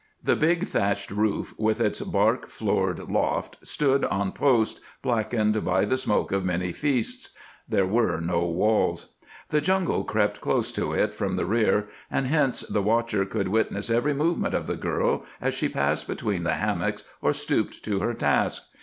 The big thatched roof with its bark floored loft stood on posts blackened by the smoke of many feasts; there were no walls. The jungle crept close to it from the rear, and hence the watcher could witness every movement of the girl as she passed between the hammocks or stooped to her task.